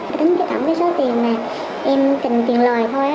tính tổng cái số tiền này em tìm tiền lời thôi